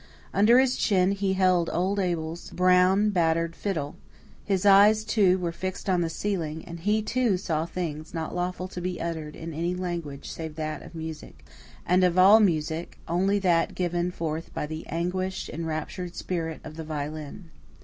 Under his chin he held old Abel's brown, battered fiddle; his eyes, too, were fixed on the ceiling; and he, too, saw things not lawful to be uttered in any language save that of music; and of all music, only that given forth by the anguished, enraptured spirit of the violin.